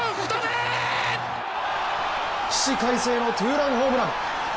起死回生のツーランホームラン。